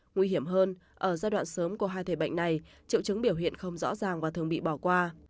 nguy hiểm hơn ở giai đoạn sớm của hai thể bệnh này triệu chứng biểu hiện không rõ ràng và thường bị bỏ qua